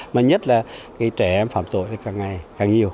mà nhất là cái trẻ em phạm tội thì càng ngày càng nhiều